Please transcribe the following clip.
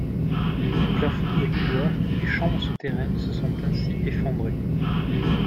Les plafonds des couloirs et chambres souterraines se sont ainsi effondrés.